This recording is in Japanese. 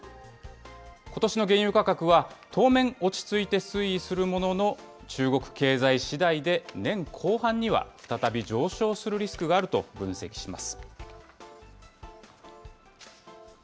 ことしの原油価格は当面落ち着いて推移するものの、中国経済しだいで年後半には再び上昇するリスクがあると分析します。